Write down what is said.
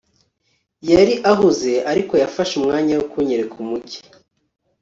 yari ahuze, ariko yafashe umwanya wo kunyereka umujyi